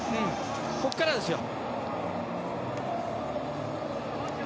ここからですよ。